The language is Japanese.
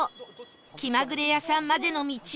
きまぐれやさんまでの道